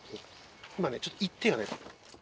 今ねちょっと「言って」がね。